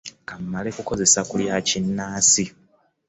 Ka mmale kukozesa ku lya kinnansi.